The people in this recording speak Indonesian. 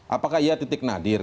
apakah iya titik nadir